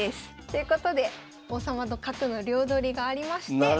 ということで王様と角の両取りがありまして。